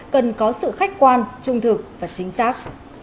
cần có sự khách quan trung thực và chính xác